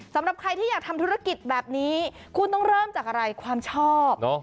สำหรับใครที่อยากทำธุรกิจแบบนี้คุณต้องเริ่มจากอะไรความชอบ